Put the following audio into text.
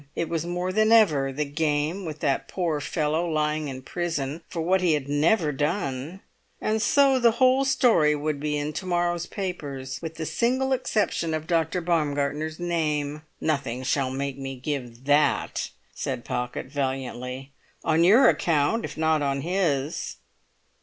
It was more than ever the game with that poor fellow lying in prison for what he had never done. And so the whole story would be in to morrow's papers, with the single exception of Dr. Baumgartner's name. "Nothing shall make me give that," said Pocket valiantly; "on your account, if not on his!"